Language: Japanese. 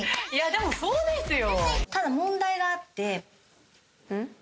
でもそうですよ。